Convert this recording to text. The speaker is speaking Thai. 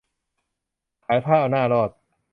ขายผ้าเอาหน้ารอด